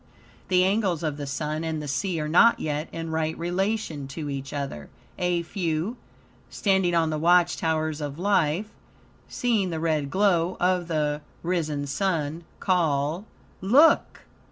The angles of the Sun and the sea are not yet in right relation to each other. A few, standing on the watch towers of life, seeing the red glow of the risen sun, call "Look!"